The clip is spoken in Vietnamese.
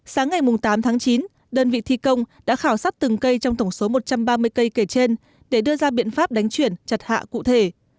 sáng ngày tám tháng chín đơn vị thi công đã khảo sát từng cây trong tổng số một trăm ba mươi cây kể trên để đưa ra biện pháp đánh chuyển chặt hạ cụ thể